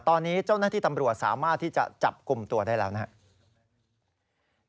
ตอนนี้เจ้าหน้าที่ตำรวจสามารถที่จะจับกลุ่มตัวได้แล้วนะครับ